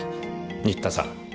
新田さん